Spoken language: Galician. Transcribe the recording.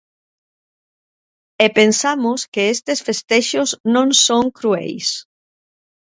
E pensamos que estes festexos non son crueis.